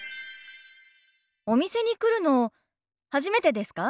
お店に来るの初めてですか？